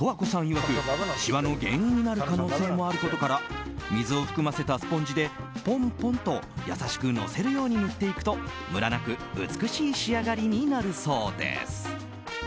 いわくしわの原因になる可能性もあることから水を含ませたスポンジでポンポンと優しくのせるように塗っていくとムラなく美しい仕上がりになるそうです。